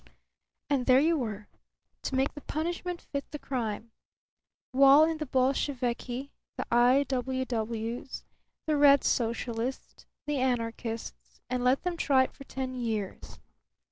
And there you were! To make the punishment fit the crime. Wall in the Bolsheviki, the I.W.W.'s, the Red Socialist, the anarchists and let them try it for ten years.